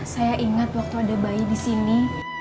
saya ingat waktu ada bayi disini